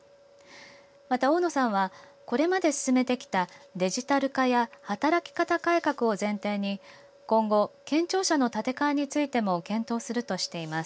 また大野さんはこれまで進めてきたデジタル化や働き方改革を前提に今後、県庁舎の建て替えについても検討するとしています。